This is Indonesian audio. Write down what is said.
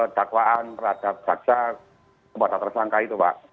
dakwaan terhadap jaksa kepada tersangka itu pak